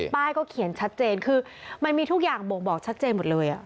ป้ายก็เขียนชัดเจนคือมันมีทุกอย่างบ่งบอกชัดเจนหมดเลย